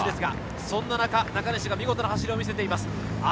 そんな中、中西が見事な走りを見せています。